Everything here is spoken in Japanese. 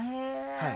はい。